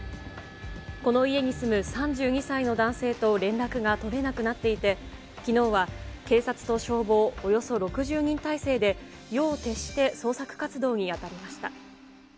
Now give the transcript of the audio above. この家に住む３２歳の男性と連絡が取れなくなっていて、きのうは警察と消防およそ６０人態勢で、夜を徹して捜索活動に当たりました。